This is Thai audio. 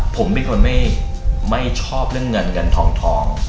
ผมเป็นคนไม่ชอบเรื่องเงินเงินทอง